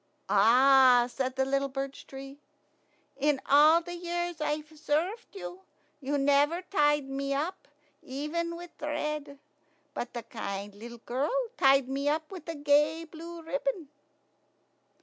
"Ah!" said the little birch tree, "in all the years I've served you, you never tied me up, even with thread; but the kind little girl tied me up with a gay blue ribbon."